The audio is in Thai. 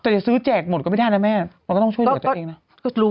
แต่จะซื้อแจกหมดก็ไม่ได้นะแม่มันก็ต้องช่วยตัวเองนะ